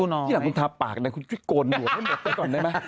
นี่แหละมึงทาปากหน่อยมึงกดหน่อยก่อนได้ไหม